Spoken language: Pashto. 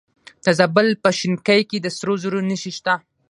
د زابل په شنکۍ کې د سرو زرو نښې شته.